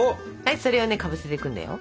それをねかぶせていくんだよ。